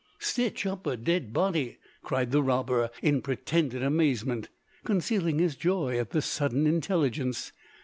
"Stitch up a dead body!" cried the robber, in pretended amazement, concealing his joy at this sudden intelligence.